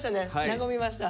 和みました。